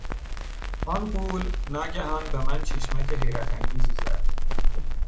آن غول ناگهان به من چشمک حیرت انگیزی زد.